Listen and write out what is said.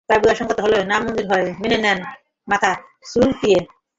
দাবি অসংগত হলে নামঞ্জুর হয়, মেনে নেয় মাথা চুলকিয়ে।